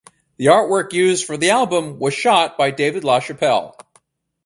The artwork used for the album was shot by David LaChapelle.